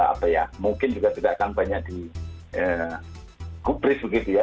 apa ya mungkin juga tidak akan banyak digubris begitu ya